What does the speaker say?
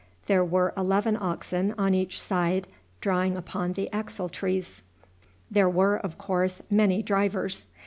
There were eleven oxen on each side drawing upon the axle trees. There were, of course, many drivers.